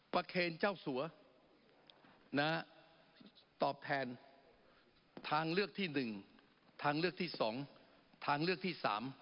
เคนเจ้าสัวตอบแทนทางเลือกที่๑ทางเลือกที่๒ทางเลือกที่๓